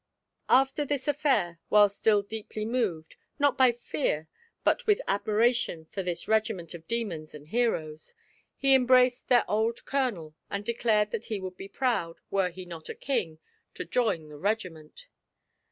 After this affair, while still deeply moved, not by fear but with admiration for this regiment of demons and heroes, he embraced their old colonel and declared that he would be proud, were he not a king, to join the regiment.